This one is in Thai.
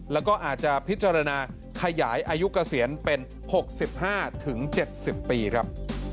แล้วก็อาจจะพิจารณาขยายอายุเกษียณเป็น๖๕๗๐ปีครับ